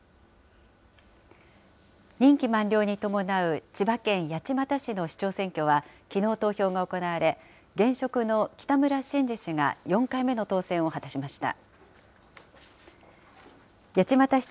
任期満了に伴う千葉県八街市の市長選挙はきのう投票が行われ、現職の北村新司氏が４回目の当選を果たしました。